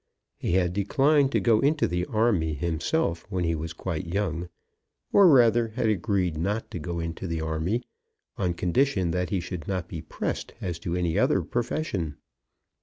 He had declined to go into the army himself when he was quite young, or rather had agreed not to go into the army, on condition that he should not be pressed as to any other profession.